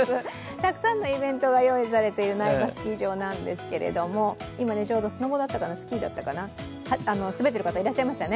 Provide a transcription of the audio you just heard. たくさんのイベントが用意されている苗場スキー場なんですが、今、ちょうどスノボだったか、スキーだったか滑ってる方いらっしゃいましたね。